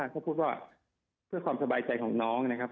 ก็พูดว่าเพื่อความสบายใจของน้องนะครับ